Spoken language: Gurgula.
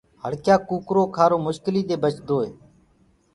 هڙڪيآ ڪوُڪرو کآرو مشڪليٚ دي بچدوئي